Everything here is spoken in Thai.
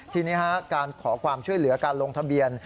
ทีนี้การขอความช่วยเหลือการลงทะเบียน